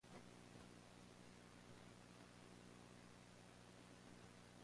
Bituminous shale was mined there.